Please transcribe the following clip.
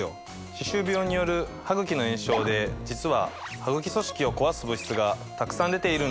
歯周病によるハグキの炎症で実はハグキ組織を壊す物質がたくさん出ているんです。